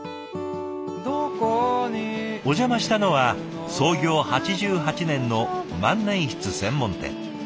お邪魔したのは創業８８年の万年筆専門店。